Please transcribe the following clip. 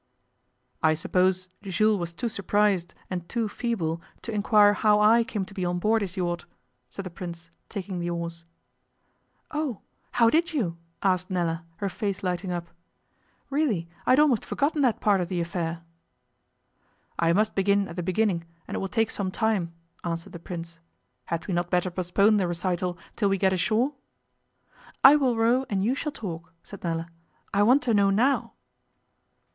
'I suppose Jules was too surprised and too feeble to inquire how I came to be on board his yacht,' said the Prince, taking the oars. 'Oh! How did you?' asked Nella, her face lighting up. 'Really, I had almost forgotten that part of the affair.' 'I must begin at the beginning and it will take some time,' answered the Prince. 'Had we not better postpone the recital till we get ashore?' 'I will row and you shall talk,' said Nella. 'I want to know now.